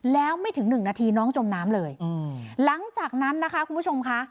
แล้วไม่ถึงหนึ่งนาทีน้องจมน้ำเลยหลังจากนั้นนะคะคุณผู้ชมค่ะ